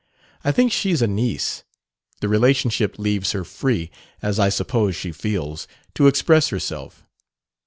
I think she's a niece: the relationship leaves her free, as I suppose she feels, to express herself.